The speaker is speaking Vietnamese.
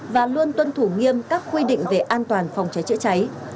và luôn tuân thủ nghiêm các quy định về an toàn phòng cháy chữa cháy